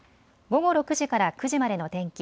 午後６時から９時までの天気。